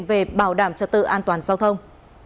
về bảo đảm trật tự an toàn giao thông